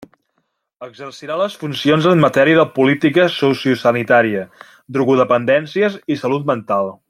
Exercirà les funcions en matèria de política sociosanitària, drogodependències i salut mental.